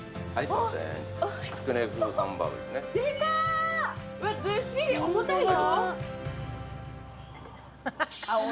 うわずっしり重たいよ